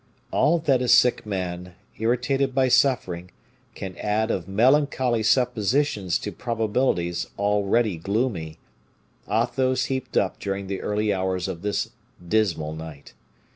All that a sick man, irritated by suffering, can add of melancholy suppositions to probabilities already gloomy, Athos heaped up during the early hours of this dismal night.